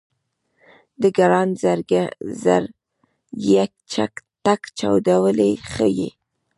د ګران زړګيه ټک چاودلی ښه يې